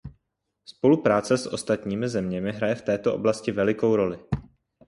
Spolupráce s ostatními zeměmi hraje v této oblasti velikou roli.